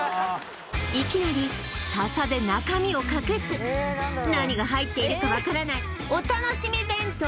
いきなり笹で中身を隠す何が入っているか分からないお楽しみ弁当